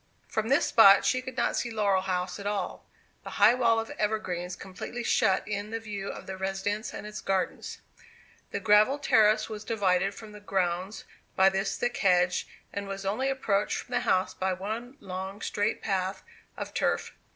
From this spot she could not see Laurel House at all. The high wall of evergreens completely shut in the view of the residence and its garden. The gravelled terrace was divided from the grounds by this thick hedge, and was only approached from the house by one long straight path of turf.